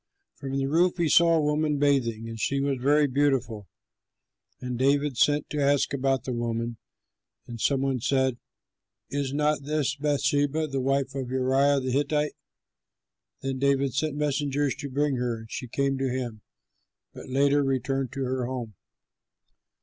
From the roof he saw a woman bathing; and she was very beautiful. And David sent to ask about the woman; and some one said, "Is not this Bathsheba, the wife of Uriah the Hittite?" Then David sent messengers to bring her; and she came to him, but later returned to her home.